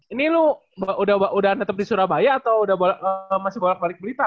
ini lo udah tetap di surabaya atau masih bolak balik berlitar